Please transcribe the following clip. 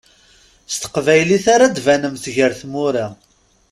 S teqbaylit ara d-banemt gar tmura.